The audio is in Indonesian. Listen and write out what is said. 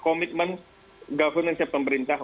komitmen governance nya pemerintah